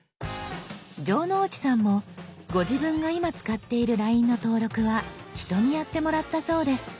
城之内さんもご自分が今使っているＬＩＮＥの登録は人にやってもらったそうです。